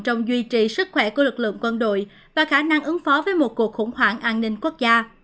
trong duy trì sức khỏe của lực lượng quân đội và khả năng ứng phó với một cuộc khủng hoảng an ninh quốc gia